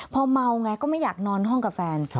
พอเมาไงก็ไม่อยากนอนห้องกับแฟน